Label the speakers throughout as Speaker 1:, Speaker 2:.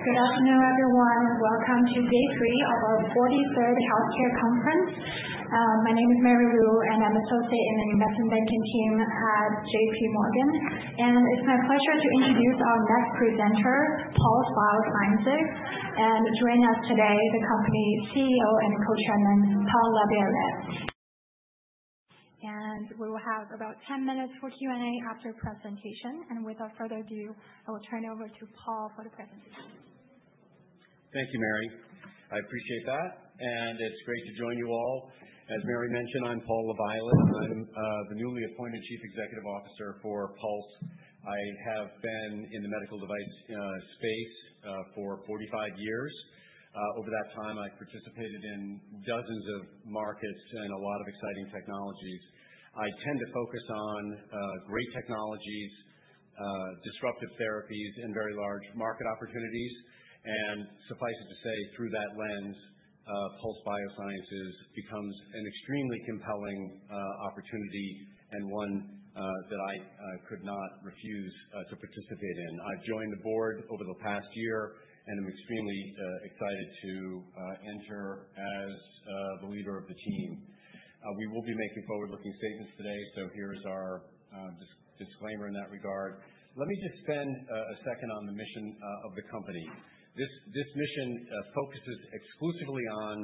Speaker 1: Good afternoon, everyone. Welcome to day three of our 43rd Healthcare Conference. My name is Mary Liu, and I'm an Associate in the Investment Banking team at J.P. Morgan, and it's my pleasure to introduce our next presenter, Pulse Biosciences, and joining us today, the company's CEO and Co-Chairman, Paul LaViolette, and we will have about 10 minutes for Q&A after the presentation, and without further ado, I will turn it over to Paul for the presentation.
Speaker 2: Thank you, Mary. I appreciate that. And it's great to join you all. As Mary mentioned, I'm Paul LaViolette. I'm the newly appointed Chief Executive Officer for Pulse. I have been in the medical device space for 45 years. Over that time, I've participated in dozens of markets and a lot of exciting technologies. I tend to focus on great technologies, disruptive therapies, and very large market opportunities. And suffice it to say, through that lens, Pulse Biosciences becomes an extremely compelling opportunity and one that I could not refuse to participate in. I've joined the board over the past year, and I'm extremely excited to enter as the leader of the team. We will be making forward-looking statements today, so here is our disclaimer in that regard. Let me just spend a second on the mission of the company. This mission focuses exclusively on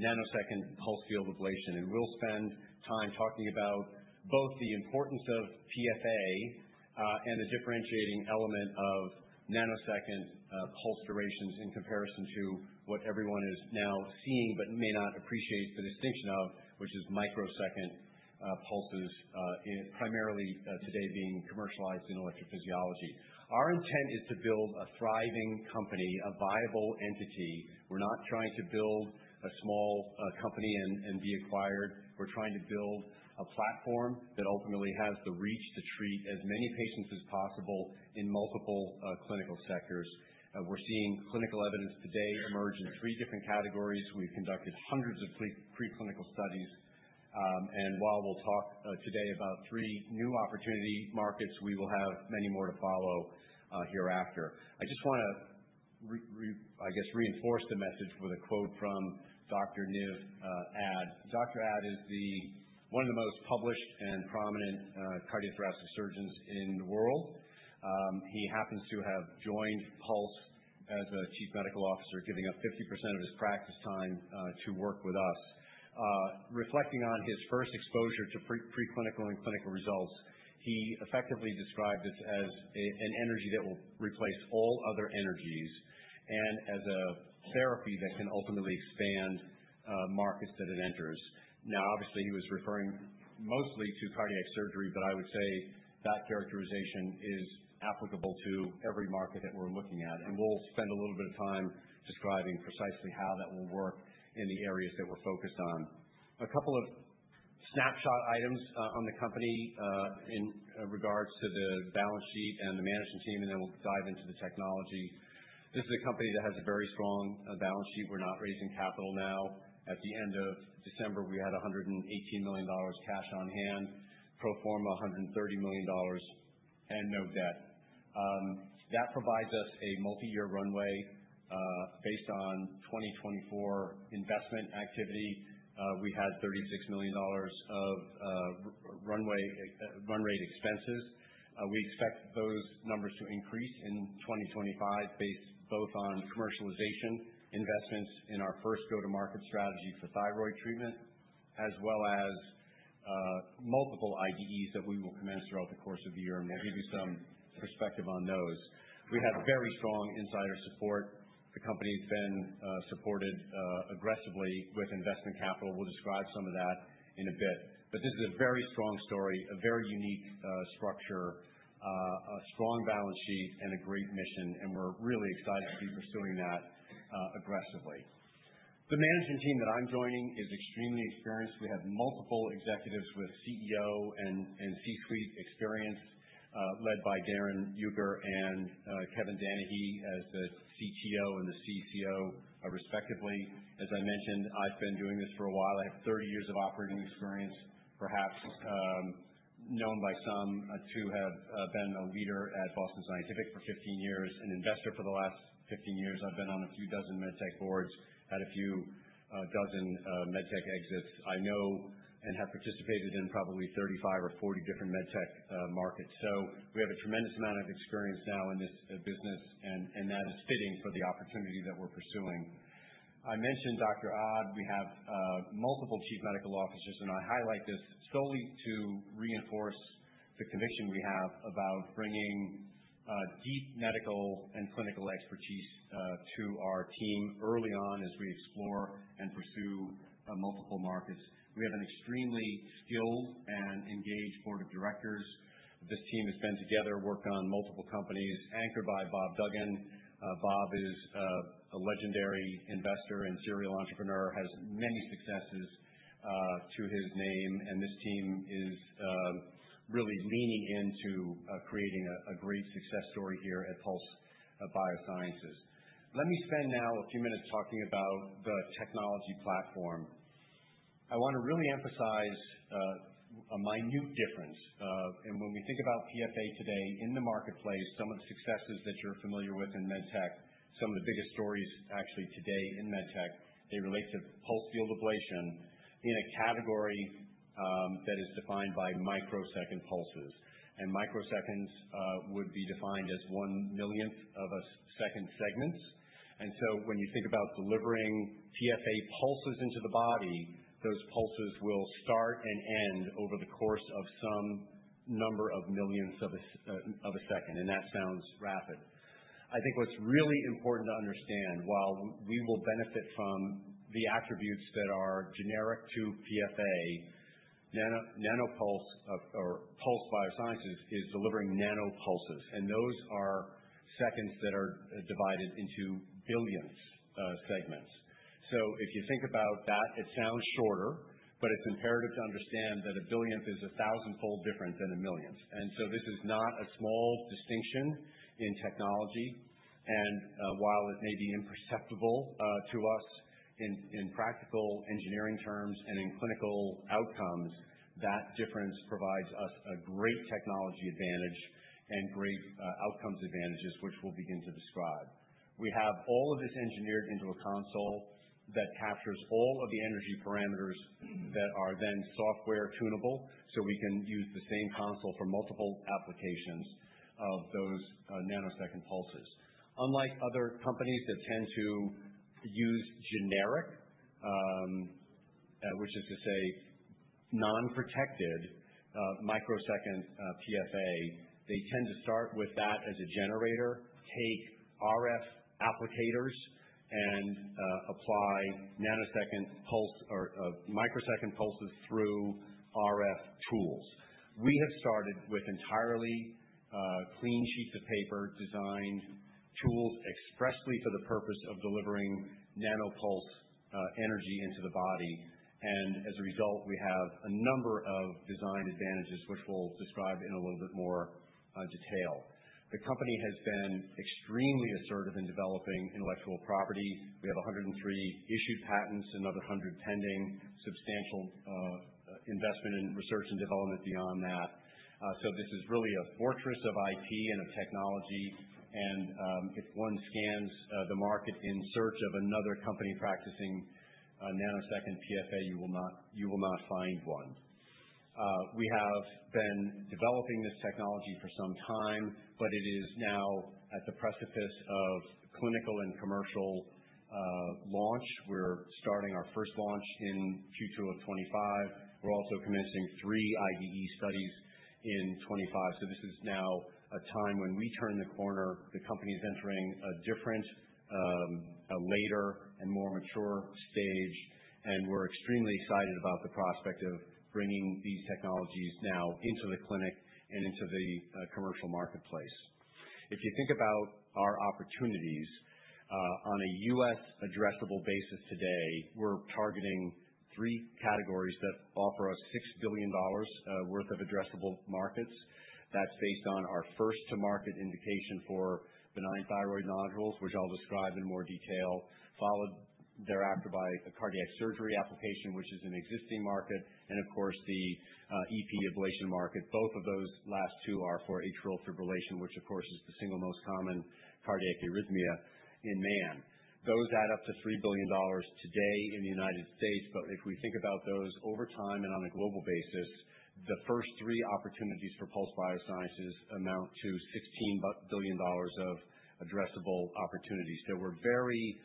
Speaker 2: nanosecond pulsed field ablation. We'll spend time talking about both the importance of PFA and the differentiating element of nanosecond pulse durations in comparison to what everyone is now seeing but may not appreciate the distinction of, which is microsecond pulses, primarily today being commercialized in electrophysiology. Our intent is to build a thriving company, a viable entity. We're not trying to build a small company and be acquired. We're trying to build a platform that ultimately has the reach to treat as many patients as possible in multiple clinical sectors. We're seeing clinical evidence today emerge in three different categories. We've conducted hundreds of preclinical studies. And while we'll talk today about three new opportunity markets, we will have many more to follow hereafter. I just want to, I guess, reinforce the message with a quote from Dr. Niv Ad. Dr. Ad is one of the most published and prominent cardiothoracic surgeons in the world. He happens to have joined Pulse as a Chief Medical Officer, giving up 50% of his practice time to work with us. Reflecting on his first exposure to preclinical and clinical results, he effectively described this as an energy that will replace all other energies and as a therapy that can ultimately expand markets that it enters. Now, obviously, he was referring mostly to cardiac surgery, but I would say that characterization is applicable to every market that we're looking at. And we'll spend a little bit of time describing precisely how that will work in the areas that we're focused on. A couple of snapshot items on the company in regards to the balance sheet and the management team, and then we'll dive into the technology. This is a company that has a very strong balance sheet. We're not raising capital now. At the end of December, we had $118 million cash on hand, pro forma $130 million, and no debt. That provides us a multi-year runway. Based on 2024 investment activity, we had $36 million of runway expenses. We expect those numbers to increase in 2025, based both on commercialization investments in our first go-to-market strategy for thyroid treatment, as well as multiple IDEs that we will commence throughout the course of the year. And we'll give you some perspective on those. We have very strong insider support. The company has been supported aggressively with investment capital. We'll describe some of that in a bit. But this is a very strong story, a very unique structure, a strong balance sheet, and a great mission. And we're really excited to be pursuing that aggressively. The management team that I'm joining is extremely experienced. We have multiple executives with CEO and C-suite experience led by Darrin Uecker and Kevin Danahy as the CTO and the CCO, respectively. As I mentioned, I've been doing this for a while. I have 30 years of operating experience, perhaps known by some to have been a leader at Boston Scientific for 15 years, an investor for the last 15 years. I've been on a few dozen medtech boards, had a few dozen medtech exits. I know and have participated in probably 35 or 40 different medtech markets. So we have a tremendous amount of experience now in this business, and that is fitting for the opportunity that we're pursuing. I mentioned Dr. Ad. We have multiple chief medical officers, and I highlight this solely to reinforce the conviction we have about bringing deep medical and clinical expertise to our team early on as we explore and pursue multiple markets. We have an extremely skilled and engaged board of directors. This team has been together working on multiple companies, anchored by Bob Duggan. Bob is a legendary investor and serial entrepreneur, has many successes to his name, and this team is really leaning into creating a great success story here at Pulse Biosciences. Let me spend now a few minutes talking about the technology platform. I want to really emphasize a minute difference. And when we think about PFA today in the marketplace, some of the successes that you're familiar with in medtech, some of the biggest stories actually today in medtech, they relate to pulsed field ablation in a category that is defined by microsecond pulses. And microseconds would be defined as one millionth of a second segments. And so when you think about delivering PFA pulses into the body, those pulses will start and end over the course of some number of millions of a second. And that sounds rapid. I think what's really important to understand, while we will benefit from the attributes that are generic to PFA, Nano-Pulse or Pulse Biosciences is delivering Nano-Pulses. And those are seconds that are divided into billionths segments. So if you think about that, it sounds shorter, but it's imperative to understand that a billionth is a thousandfold different than a millionth. And so this is not a small distinction in technology. And while it may be imperceptible to us in practical engineering terms and in clinical outcomes, that difference provides us a great technology advantage and great outcomes advantages, which we'll begin to describe. We have all of this engineered into a console that captures all of the energy parameters that are then software tunable, so we can use the same console for multiple applications of those nanosecond pulses. Unlike other companies that tend to use generic, which is to say non-protected microsecond PFA, they tend to start with that as a generator, take RF applicators, and apply nanosecond pulse or microsecond pulses through RF tools. We have started with entirely clean sheets of paper designed tools expressly for the purpose of delivering Nano-Pulse energy into the body. As a result, we have a number of design advantages, which we'll describe in a little bit more detail. The company has been extremely assertive in developing intellectual property. We have 103 issued patents, another 100 pending, substantial investment in research and development beyond that. This is really a fortress of IP and of technology. If one scans the market in search of another company practicing nanosecond PFA, you will not find one. We have been developing this technology for some time, but it is now at the precipice of clinical and commercial launch. We're starting our first launch in Q2 of 2025. We're also commencing three IDE studies in 2025. This is now a time when we turn the corner. The company is entering a different, later, and more mature stage. We're extremely excited about the prospect of bringing these technologies now into the clinic and into the commercial marketplace. If you think about our opportunities on a U.S. addressable basis today, we're targeting three categories that offer us $6 billion worth of addressable markets. That's based on our first-to-market indication for benign thyroid nodules, which I'll describe in more detail, followed thereafter by a cardiac surgery application, which is an existing market, and of course, the EP ablation market. Both of those last two are for atrial fibrillation, which of course is the single most common cardiac arrhythmia in man. Those add up to $3 billion today in the United States. If we think about those over time and on a global basis, the first three opportunities for Pulse Biosciences amount to $16 billion of addressable opportunities. So we're very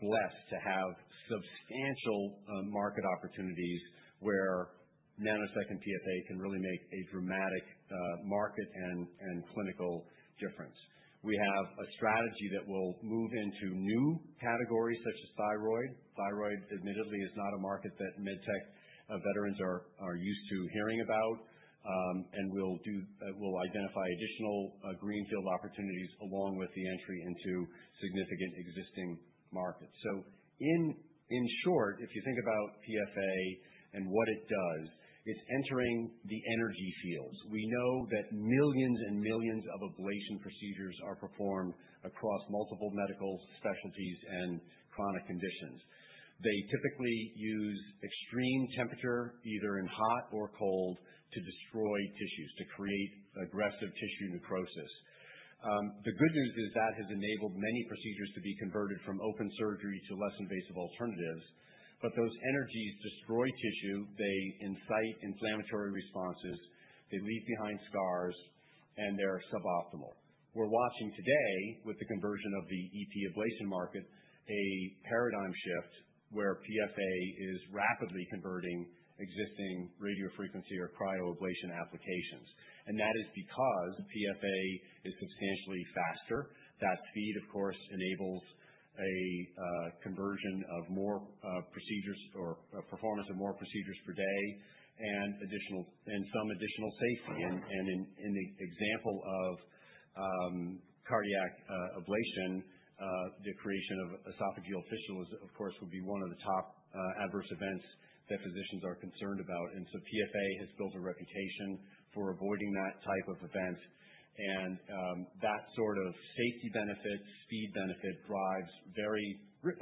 Speaker 2: blessed to have substantial market opportunities where nanosecond PFA can really make a dramatic market and clinical difference. We have a strategy that will move into new categories such as thyroid. Thyroid, admittedly, is not a market that medtech veterans are used to hearing about. And we'll identify additional greenfield opportunities along with the entry into significant existing markets. So in short, if you think about PFA and what it does, it's entering the energy fields. We know that millions and millions of ablation procedures are performed across multiple medical specialties and chronic conditions. They typically use extreme temperature, either in hot or cold, to destroy tissues, to create aggressive tissue necrosis. The good news is that has enabled many procedures to be converted from open surgery to less invasive alternatives. But those energies destroy tissue. They incite inflammatory responses. They leave behind scars, and they're suboptimal. We're watching today, with the conversion of the EP ablation market, a paradigm shift where PFA is rapidly converting existing radiofrequency or cryoablation applications, and that is because PFA is substantially faster. That speed, of course, enables a conversion of more procedures or performance of more procedures per day and some additional safety, and in the example of cardiac ablation, the creation of esophageal fistulas, of course, would be one of the top adverse events that physicians are concerned about, and so PFA has built a reputation for avoiding that type of event, and that sort of safety benefit, speed benefit drives very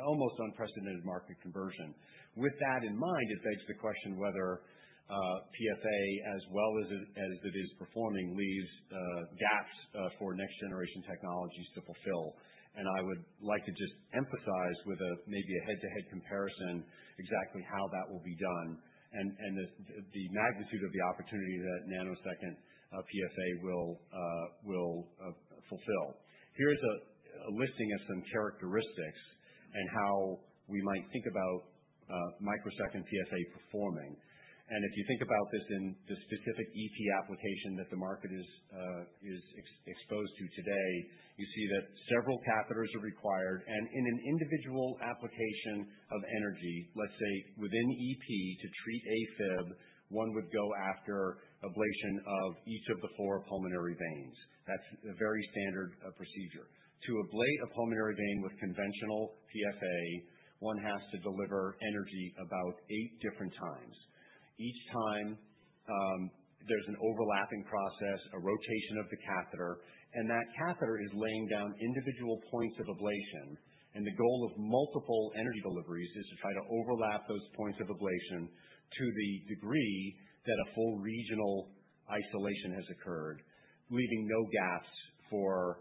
Speaker 2: almost unprecedented market conversion. With that in mind, it begs the question whether PFA, as well as it is performing, leaves gaps for next-generation technologies to fulfill. I would like to just emphasize with maybe a head-to-head comparison exactly how that will be done and the magnitude of the opportunity that nanosecond PFA will fulfill. Here's a listing of some characteristics and how we might think about microsecond PFA performing. If you think about this in the specific EP application that the market is exposed to today, you see that several catheters are required. In an individual application of energy, let's say within EP to treat AFib, one would go after ablation of each of the four pulmonary veins. That's a very standard procedure. To ablate a pulmonary vein with conventional PFA, one has to deliver energy about eight different times. Each time, there's an overlapping process, a rotation of the catheter, and that catheter is laying down individual points of ablation. And the goal of multiple energy deliveries is to try to overlap those points of ablation to the degree that a full regional isolation has occurred, leaving no gaps for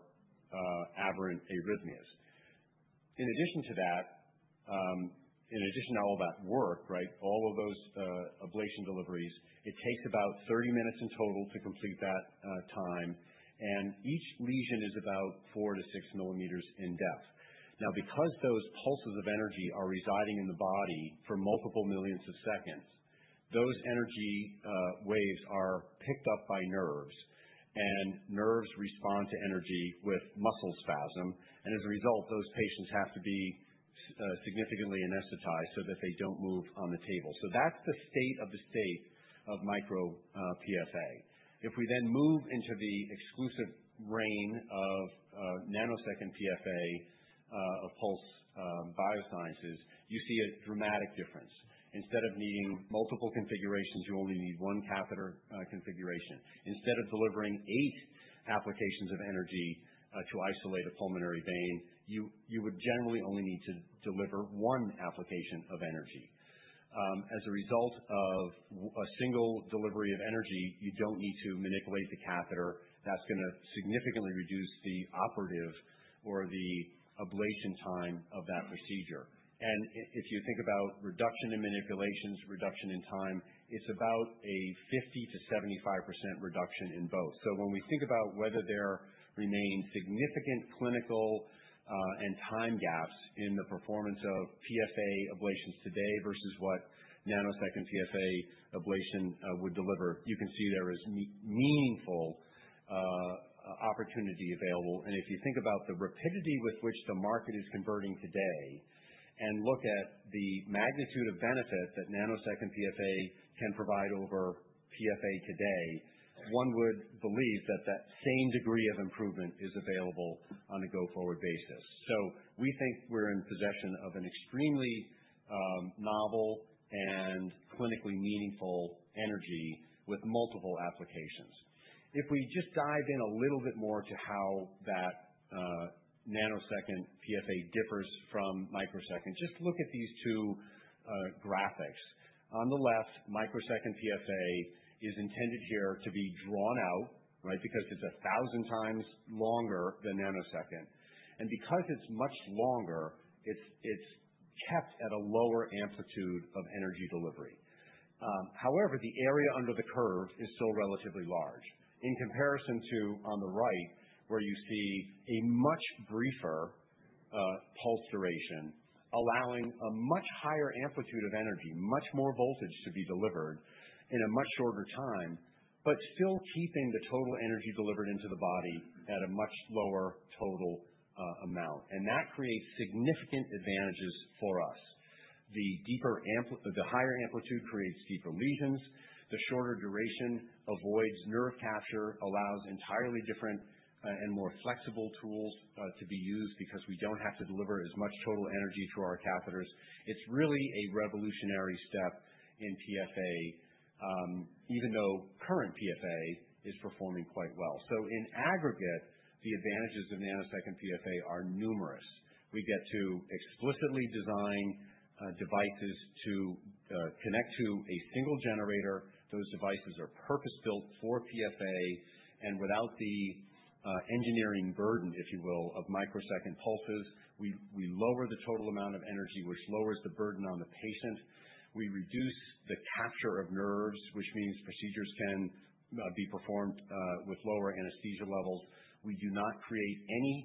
Speaker 2: aberrant arrhythmias. In addition to that, in addition to all that work, right, all of those ablation deliveries, it takes about 30 minutes in total to complete that time. And each lesion is about 4-6 millimeters in depth. Now, because those pulses of energy are residing in the body for multiple millionths of seconds, those energy waves are picked up by nerves. And nerves respond to energy with muscle spasm. And as a result, those patients have to be significantly anesthetized so that they don't move on the table. So that's the state of micro PFA. If we then move into the exclusive realm of nanosecond PFA of Pulse Biosciences, you see a dramatic difference. Instead of needing multiple configurations, you only need one catheter configuration. Instead of delivering eight applications of energy to isolate a pulmonary vein, you would generally only need to deliver one application of energy. As a result of a single delivery of energy, you don't need to manipulate the catheter. That's going to significantly reduce the operative or the ablation time of that procedure, and if you think about reduction in manipulations, reduction in time, it's about a 50%-75% reduction in both, so when we think about whether there remain significant clinical and time gaps in the performance of PFA ablations today versus what nanosecond PFA ablation would deliver, you can see there is meaningful opportunity available. And if you think about the rapidity with which the market is converting today and look at the magnitude of benefit that nanosecond PFA can provide over PFA today, one would believe that that same degree of improvement is available on a go-forward basis. So we think we're in possession of an extremely novel and clinically meaningful energy with multiple applications. If we just dive in a little bit more to how that nanosecond PFA differs from microsecond, just look at these two graphics. On the left, microsecond PFA is intended here to be drawn out, right, because it's 1,000 times longer than nanosecond. And because it's much longer, it's kept at a lower amplitude of energy delivery. However, the area under the curve is still relatively large. In comparison to on the right, where you see a much briefer pulse duration, allowing a much higher amplitude of energy, much more voltage to be delivered in a much shorter time, but still keeping the total energy delivered into the body at a much lower total amount, and that creates significant advantages for us. The higher amplitude creates deeper lesions. The shorter duration avoids nerve capture, allows entirely different and more flexible tools to be used because we don't have to deliver as much total energy through our catheters. It's really a revolutionary step in PFA, even though current PFA is performing quite well, so in aggregate, the advantages of nanosecond PFA are numerous. We get to explicitly design devices to connect to a single generator. Those devices are purpose-built for PFA. Without the engineering burden, if you will, of microsecond pulses, we lower the total amount of energy, which lowers the burden on the patient. We reduce the capture of nerves, which means procedures can be performed with lower anesthesia levels. We do not create any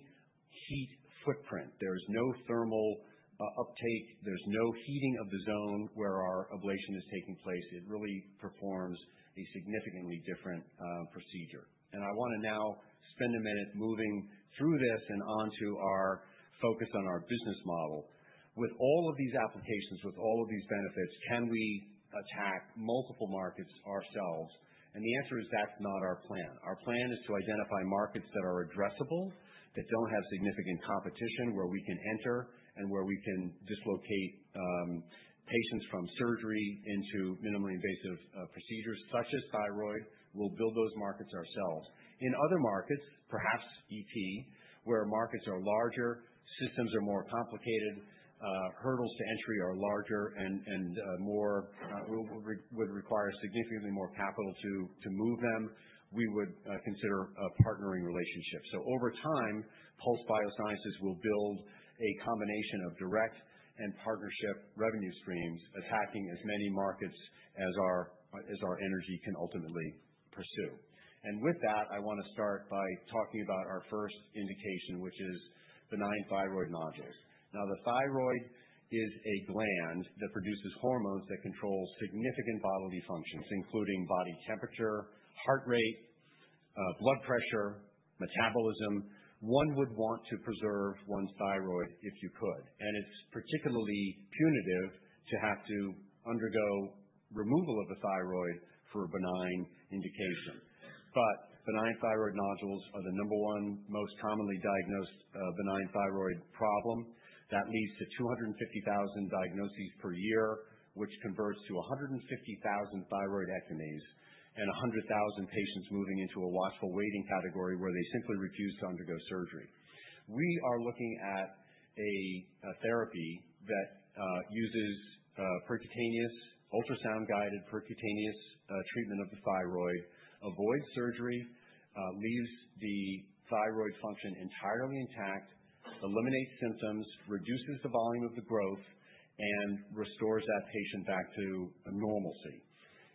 Speaker 2: heat footprint. There is no thermal uptake. There's no heating of the zone where our ablation is taking place. It really performs a significantly different procedure. I want to now spend a minute moving through this and onto our focus on our business model. With all of these applications, with all of these benefits, can we attack multiple markets ourselves? The answer is that's not our plan. Our plan is to identify markets that are addressable, that don't have significant competition, where we can enter and where we can dislocate patients from surgery into minimally invasive procedures such as thyroid. We'll build those markets ourselves. In other markets, perhaps EP, where markets are larger, systems are more complicated, hurdles to entry are larger and would require significantly more capital to move them, we would consider a partnering relationship, so over time, Pulse Biosciences will build a combination of direct and partnership revenue streams, attacking as many markets as our energy can ultimately pursue, and with that, I want to start by talking about our first indication, which is benign thyroid nodules. Now, the thyroid is a gland that produces hormones that control significant bodily functions, including body temperature, heart rate, blood pressure, metabolism. One would want to preserve one's thyroid if you could, and it's particularly punitive to have to undergo removal of a thyroid for a benign indication, but benign thyroid nodules are the number one most commonly diagnosed benign thyroid problem. That leads to 250,000 diagnoses per year, which converts to 150,000 thyroidectomies and 100,000 patients moving into a watchful waiting category where they simply refuse to undergo surgery. We are looking at a therapy that uses percutaneous ultrasound-guided percutaneous treatment of the thyroid, avoids surgery, leaves the thyroid function entirely intact, eliminates symptoms, reduces the volume of the growth, and restores that patient back to normalcy.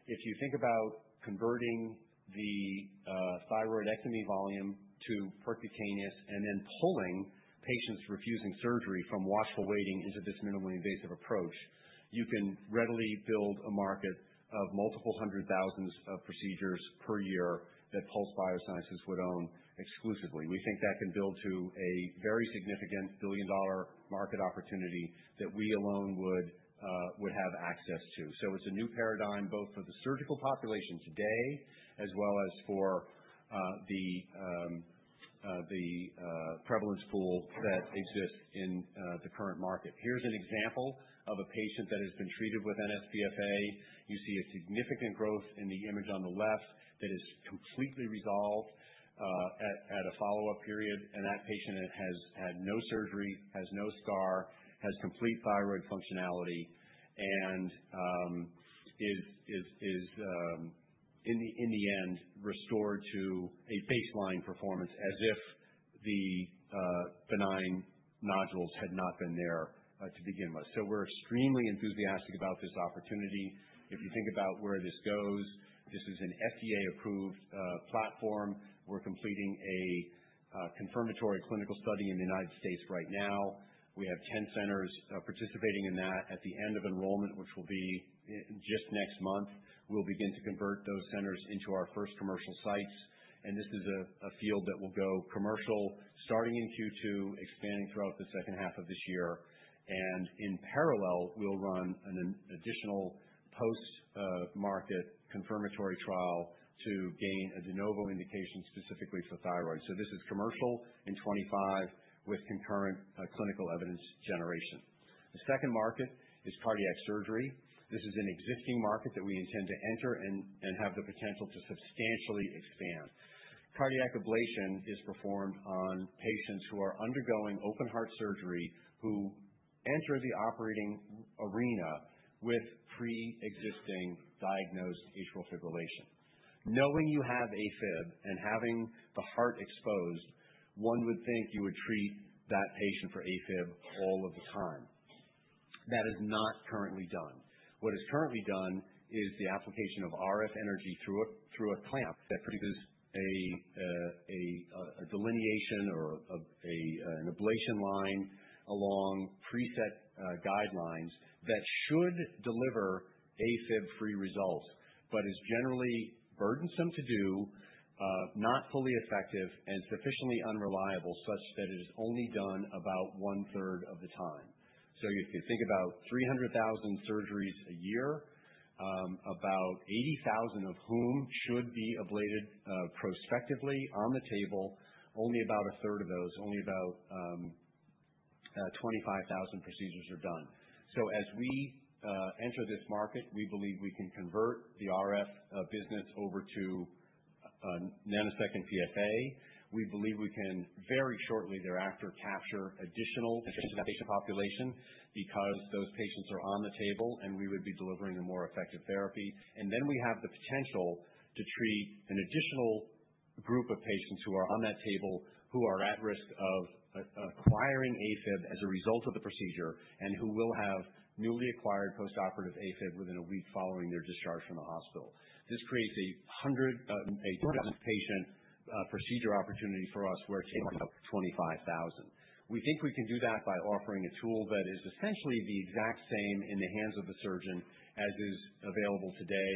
Speaker 2: If you think about converting the thyroidectomy volume to percutaneous and then pulling patients refusing surgery from watchful waiting into this minimally invasive approach, you can readily build a market of multiple hundred thousands of procedures per year that Pulse Biosciences would own exclusively. We think that can build to a very significant billion-dollar market opportunity that we alone would have access to. So it's a new paradigm both for the surgical population today as well as for the prevalence pool that exists in the current market. Here's an example of a patient that has been treated with nsPFA. You see a significant growth in the image on the left that is completely resolved at a follow-up period. And that patient has had no surgery, has no scar, has complete thyroid functionality, and is, in the end, restored to a baseline performance as if the benign nodules had not been there to begin with. So we're extremely enthusiastic about this opportunity. If you think about where this goes, this is an FDA-approved platform. We're completing a confirmatory clinical study in the United States right now. We have 10 centers participating in that. At the end of enrollment, which will be just next month, we'll begin to convert those centers into our first commercial sites. And this is a field that will go commercial starting in Q2, expanding throughout the second half of this year. And in parallel, we'll run an additional post-market confirmatory trial to gain a de novo indication specifically for thyroid. So this is commercial in 2025 with concurrent clinical evidence generation. The second market is cardiac surgery. This is an existing market that we intend to enter and have the potential to substantially expand. Cardiac ablation is performed on patients who are undergoing open-heart surgery, who enter the operating arena with pre-existing diagnosed atrial fibrillation. Knowing you have AFib and having the heart exposed, one would think you would treat that patient for AFib all of the time. That is not currently done. What is currently done is the application of RF energy through a clamp that produces a delineation or an ablation line along preset guidelines that should deliver AFib-free results, but is generally burdensome to do, not fully effective, and sufficiently unreliable such that it is only done about one-third of the time. So you can think about 300,000 surgeries a year, about 80,000 of whom should be ablated prospectively on the table. Only about a third of those, only about 25,000 procedures are done. So as we enter this market, we believe we can convert the RF business over to nanosecond PFA. We believe we can very shortly thereafter capture additional interest in the patient population because those patients are on the table and we would be delivering a more effective therapy. And then we have the potential to treat an additional group of patients who are on that table, who are at risk of acquiring AFib as a result of the procedure, and who will have newly acquired postoperative AFib within a week following their discharge from the hospital. This creates a different patient procedure opportunity for us where it takes 25,000. We think we can do that by offering a tool that is essentially the exact same in the hands of the surgeon as is available today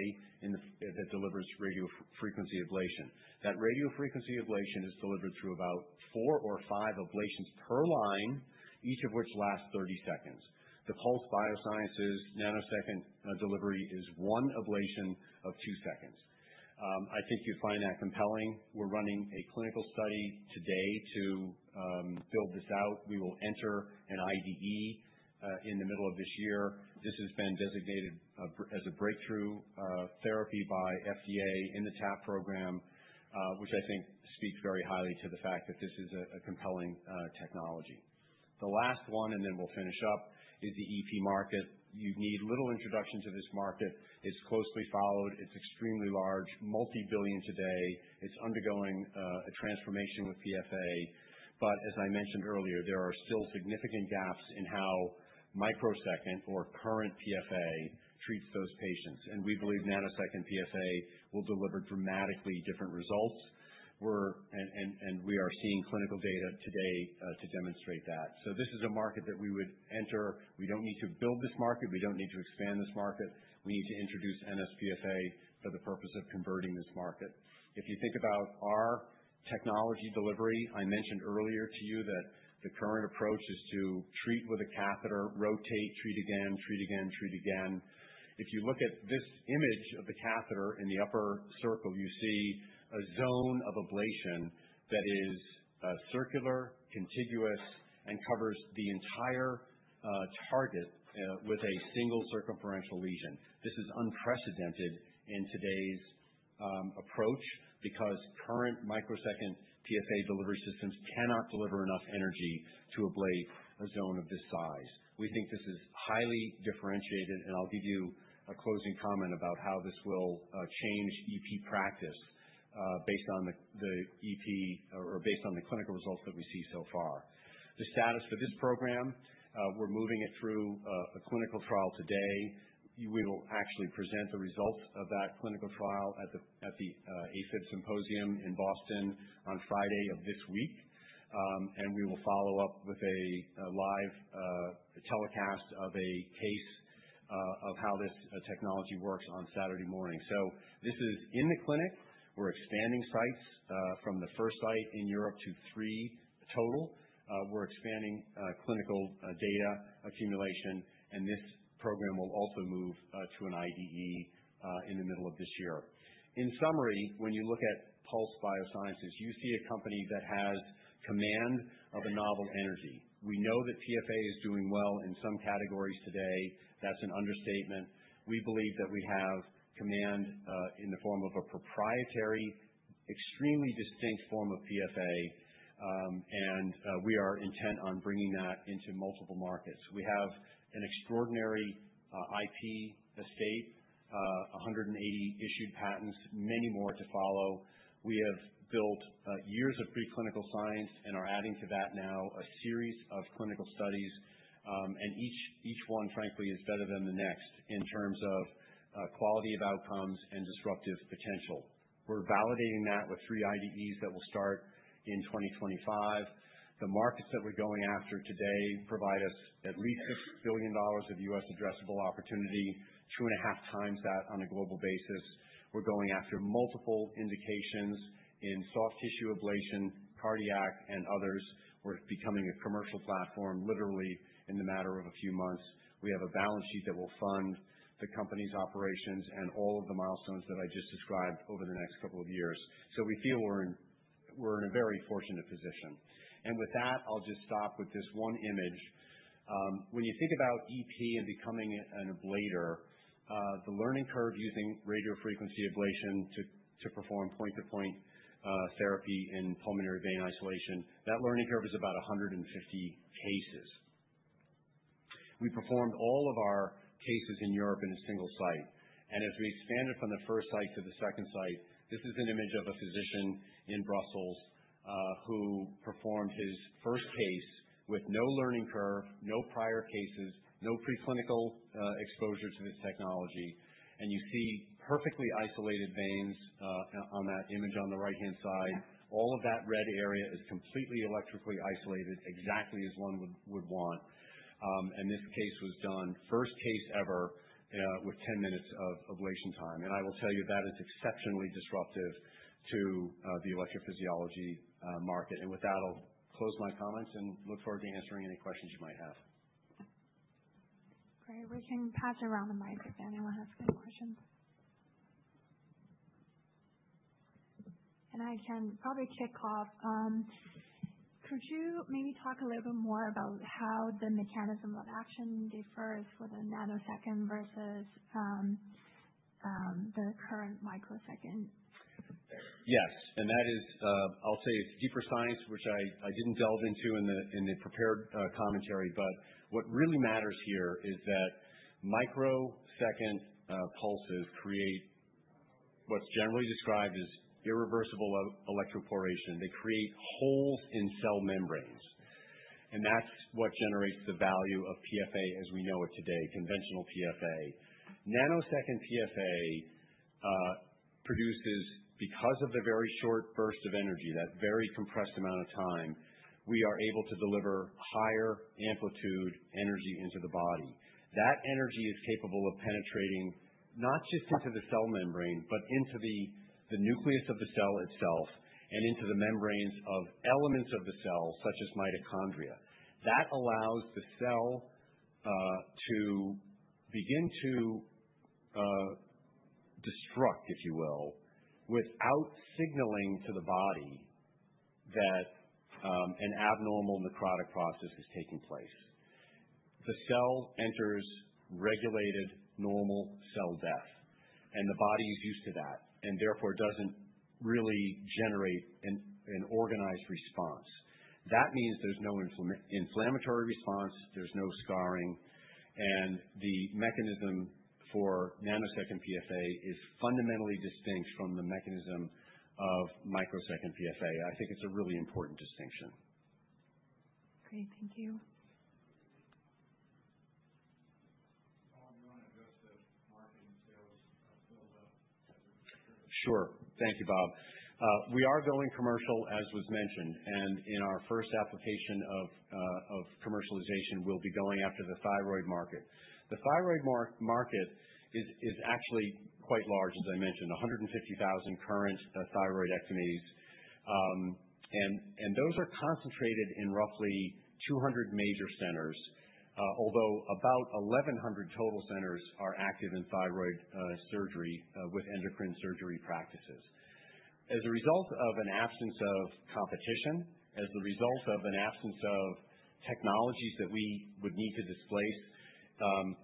Speaker 2: that delivers radiofrequency ablation. That radiofrequency ablation is delivered through about four or five ablations per line, each of which lasts 30 seconds. The Pulse Biosciences nanosecond delivery is one ablation of two seconds. I think you'd find that compelling. We're running a clinical study today to build this out. We will enter an IDE in the middle of this year. This has been designated as a breakthrough therapy by FDA in the TAP program, which I think speaks very highly to the fact that this is a compelling technology. The last one, and then we'll finish up, is the EP market. You need little introduction to this market. It's closely followed. It's extremely large, multi-billion today. It's undergoing a transformation with PFA, but as I mentioned earlier, there are still significant gaps in how microsecond or current PFA treats those patients. And we believe nanosecond PFA will deliver dramatically different results, and we are seeing clinical data today to demonstrate that, so this is a market that we would enter. We don't need to build this market. We don't need to expand this market. We need to introduce nsPFA for the purpose of converting this market. If you think about our technology delivery, I mentioned earlier to you that the current approach is to treat with a catheter, rotate, treat again, treat again, treat again. If you look at this image of the catheter in the upper circle, you see a zone of ablation that is circular, contiguous, and covers the entire target with a single circumferential lesion. This is unprecedented in today's approach because current microsecond PFA delivery systems cannot deliver enough energy to ablate a zone of this size. We think this is highly differentiated, and I'll give you a closing comment about how this will change EP practice based on the EP or based on the clinical results that we see so far. The status for this program, we're moving it through a clinical trial today. We will actually present the results of that clinical trial at the AFib Symposium in Boston on Friday of this week. And we will follow up with a live telecast of a case of how this technology works on Saturday morning. So this is in the clinic. We're expanding sites from the first site in Europe to three total. We're expanding clinical data accumulation. And this program will also move to an IDE in the middle of this year. In summary, when you look at Pulse Biosciences, you see a company that has command of a novel energy. We know that PFA is doing well in some categories today. That's an understatement. We believe that we have command in the form of a proprietary, extremely distinct form of PFA. And we are intent on bringing that into multiple markets. We have an extraordinary IP estate, 180 issued patents, many more to follow. We have built years of preclinical science and are adding to that now a series of clinical studies. And each one, frankly, is better than the next in terms of quality of outcomes and disruptive potential. We're validating that with three IDEs that will start in 2025. The markets that we're going after today provide us at least $6 billion of U.S. addressable opportunity, two and a half times that on a global basis. We're going after multiple indications in soft tissue ablation, cardiac, and others. We're becoming a commercial platform literally in the matter of a few months. We have a balance sheet that will fund the company's operations and all of the milestones that I just described over the next couple of years. So we feel we're in a very fortunate position. With that, I'll just stop with this one image. When you think about EP and becoming an ablator, the learning curve using radiofrequency ablation to perform point-to-point therapy in pulmonary vein isolation, that learning curve is about 150 cases. We performed all of our cases in Europe in a single site. As we expanded from the first site to the second site, this is an image of a physician in Brussels who performed his first case with no learning curve, no prior cases, no preclinical exposure to this technology. You see perfectly isolated veins on that image on the right-hand side. All of that red area is completely electrically isolated, exactly as one would want. This case was done first case ever with 10 minutes of ablation time. I will tell you that is exceptionally disruptive to the electrophysiology market. And with that, I'll close my comments and look forward to answering any questions you might have. Great. We can pass around the mic if anyone has questions. And I can probably kick off. Could you maybe talk a little bit more about how the mechanism of action differs for the nanosecond versus the current microsecond? Yes. And that is, I'll say, it's deeper science, which I didn't delve into in the prepared commentary. But what really matters here is that microsecond pulses create what's generally described as irreversible electroporation. They create holes in cell membranes. And that's what generates the value of PFA as we know it today, conventional PFA. Nanosecond PFA produces, because of the very short burst of energy, that very compressed amount of time, we are able to deliver higher amplitude energy into the body. That energy is capable of penetrating not just into the cell membrane, but into the nucleus of the cell itself and into the membranes of elements of the cell, such as mitochondria. That allows the cell to begin to destruct, if you will, without signaling to the body that an abnormal necrotic process is taking place. The cell enters regulated normal cell death, and the body is used to that and therefore doesn't really generate an organized response. That means there's no inflammatory response, there's no scarring, and the mechanism for nanosecond PFA is fundamentally distinct from the mechanism of microsecond PFA. I think it's a really important distinction. Great. Thank you. Bob, do you want to address the market and sales build-up as we're going through? Sure. Thank you, Bob. We are going commercial, as was mentioned. And in our first application of commercialization, we'll be going after the thyroid market. The thyroid market is actually quite large, as I mentioned, 150,000 current thyroidectomies. And those are concentrated in roughly 200 major centers, although about 1,100 total centers are active in thyroid surgery with endocrine surgery practices. As a result of an absence of competition, as the result of an absence of technologies that we would need to displace,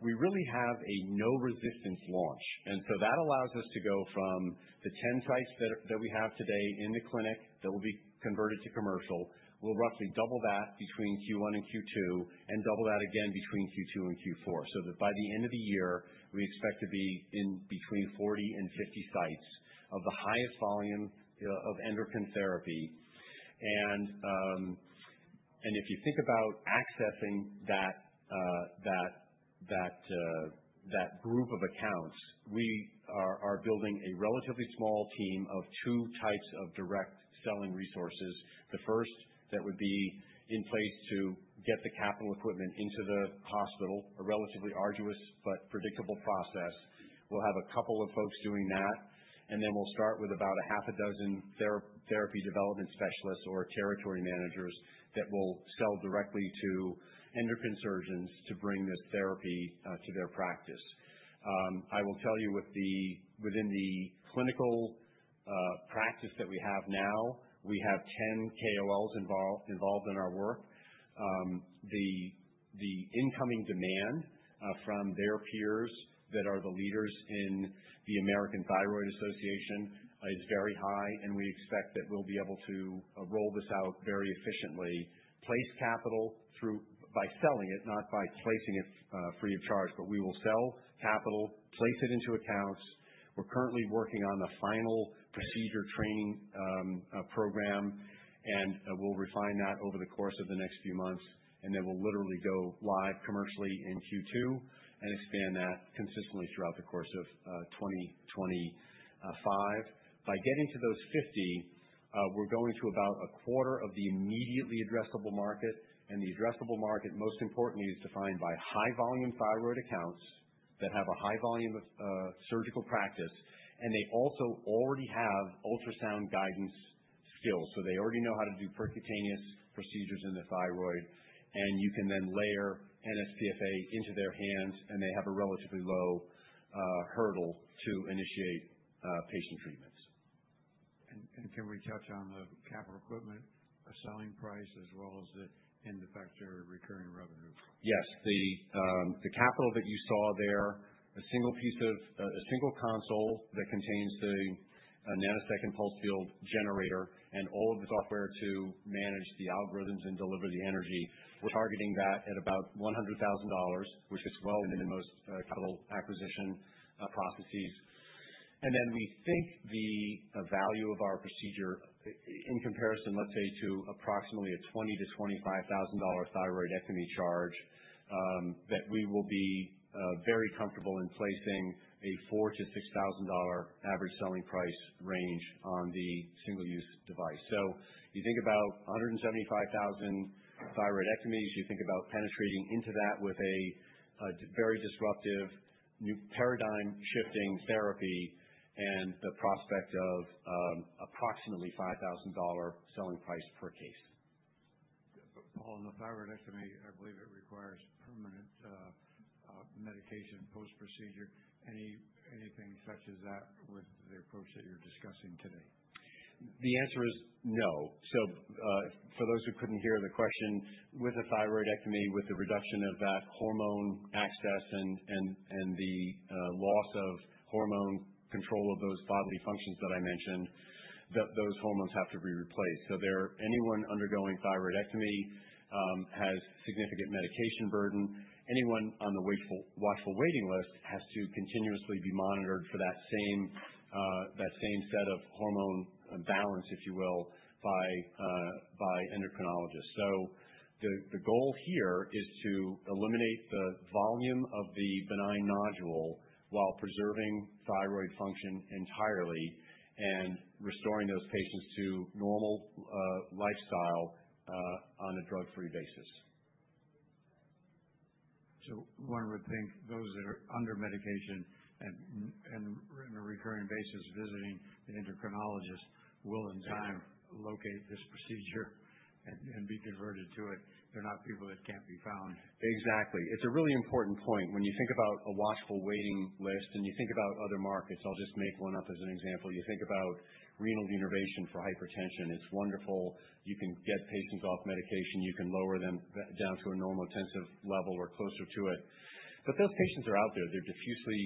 Speaker 2: we really have a no-resistance launch. And so that allows us to go from the 10 sites that we have today in the clinic that will be converted to commercial. We'll roughly double that between Q1 and Q2 and double that again between Q2 and Q4 so that by the end of the year, we expect to be in between 40 and 50 sites of the highest volume of endocrine therapy. And if you think about accessing that group of accounts, we are building a relatively small team of two types of direct selling resources. The first that would be in place to get the capital equipment into the hospital, a relatively arduous but predictable process. We'll have a couple of folks doing that. And then we'll start with about a half a dozen therapy development specialists or territory managers that will sell directly to endocrine surgeons to bring this therapy to their practice. I will tell you within the clinical practice that we have now, we have 10 KOLs involved in our work. The incoming demand from their peers that are the leaders in the American Thyroid Association is very high, and we expect that we'll be able to roll this out very efficiently, place capital by selling it, not by placing it free of charge, but we will sell capital, place it into accounts. We're currently working on the final procedure training program, and we'll refine that over the course of the next few months, and then we'll literally go live commercially in Q2 and expand that consistently throughout the course of 2025. By getting to those 50, we're going to about a quarter of the immediately addressable market. And the addressable market, most importantly, is defined by high-volume thyroid accounts that have a high volume of surgical practice, and they also already have ultrasound guidance skills, so they already know how to do percutaneous procedures in the thyroid. You can then layer nsPFA into their hands, and they have a relatively low hurdle to initiate patient treatments. Can we touch on the capital equipment selling price as well as the end-effector recurring revenue? Yes. The capital that you saw there, a single console that contains the nanosecond pulse field generator and all of the software to manage the algorithms and deliver the energy, we're targeting that at about $100,000, which is well within most capital acquisition processes. We think the value of our procedure in comparison, let's say, to approximately a $20,000-$25,000 thyroidectomy charge, that we will be very comfortable in placing a $4,000-$6,000 average selling price range on the single-use device. You think about 175,000 thyroidectomies. You think about penetrating into that with a very disruptive new paradigm-shifting therapy and the prospect of approximately $5,000 selling price per case. Paul, in the thyroidectomy, I believe it requires permanent medication post-procedure. Anything such as that with the approach that you're discussing today? The answer is no. So for those who couldn't hear the question, with a thyroidectomy, with the reduction of that hormone access and the loss of hormone control of those bodily functions that I mentioned, those hormones have to be replaced. So anyone undergoing thyroidectomy has significant medication burden. Anyone on the watchful waiting list has to continuously be monitored for that same set of hormone balance, if you will, by endocrinologists. So the goal here is to eliminate the volume of the benign nodule while preserving thyroid function entirely and restoring those patients to normal lifestyle on a drug-free basis. So one would think those that are under medication and on a recurring basis visiting the endocrinologist will, in time, locate this procedure and be converted to it. They're not people that can't be found. Exactly. It's a really important point. When you think about a watchful waiting list and you think about other markets, I'll just make one up as an example. You think about renal denervation for hypertension. It's wonderful. You can get patients off medication. You can lower them down to a normotensive level or closer to it. But those patients are out there. They're diffusely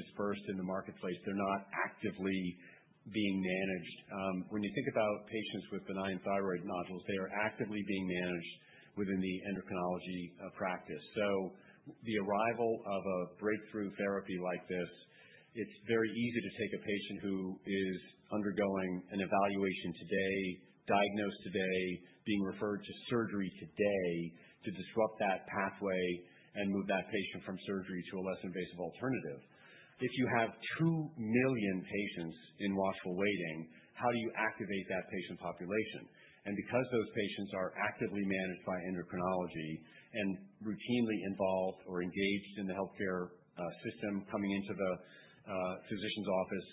Speaker 2: dispersed in the marketplace. They're not actively being managed. When you think about patients with benign thyroid nodules, they are actively being managed within the endocrinology practice. The arrival of a breakthrough therapy like this, it's very easy to take a patient who is undergoing an evaluation today, diagnosed today, being referred to surgery today to disrupt that pathway and move that patient from surgery to a less invasive alternative. If you have two million patients in watchful waiting, how do you activate that patient population? Because those patients are actively managed by endocrinology and routinely involved or engaged in the healthcare system coming into the physician's office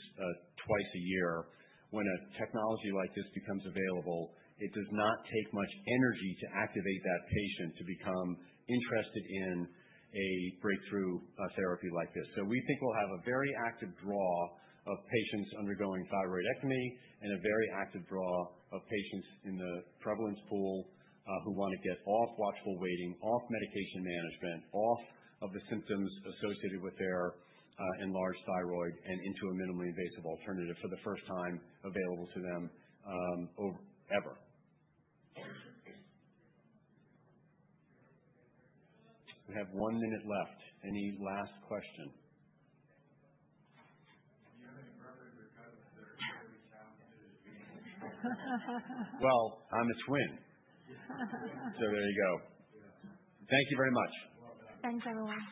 Speaker 2: twice a year, when a technology like this becomes available, it does not take much energy to activate that patient to become interested in a breakthrough therapy like this. So we think we'll have a very active draw of patients undergoing thyroidectomy and a very active draw of patients in the prevalence pool who want to get off watchful waiting, off medication management, off of the symptoms associated with their enlarged thyroid and into a minimally invasive alternative for the first time available to them ever. We have one minute left. Any last question? Do you have any brothers or cousins that are experiencing challenges? Well, I'm a twin. So there you go. Thank you very much.
Speaker 1: Thanks, everyone.